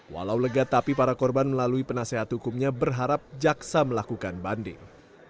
walau lega tapi para korban melalui penasehat hukumnya berharap jaksa melakukan banding